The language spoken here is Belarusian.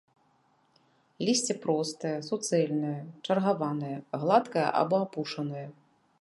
Лісце простае, суцэльнае, чаргаванае, гладкае або апушанае.